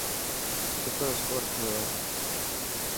ڪتو اسڪور ٿيو هي.